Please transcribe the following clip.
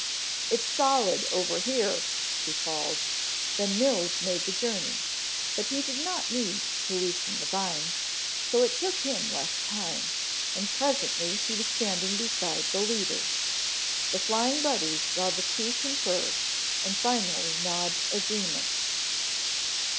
"It's solid over here," he called. Then Mills made the journey, but he did not need to loosen the vines, so it took him less time, and presently he was standing beside the leader. The Flying Buddies saw the two confer, and finally nod agreement.